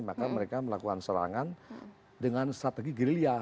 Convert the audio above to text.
maka mereka melakukan serangan dengan strategi gerilya